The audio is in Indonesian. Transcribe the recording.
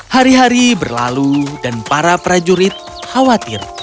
hari hari berlalu dan para prajurit khawatir